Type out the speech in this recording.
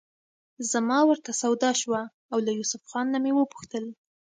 زما ورته سودا شوه او له یوسف نه مې وپوښتل.